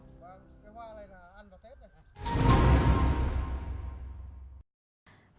cái hoa này là ăn vào tết này hả